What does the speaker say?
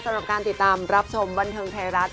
สำหรับการติดตามรับชมบันเทิงไทยรัฐ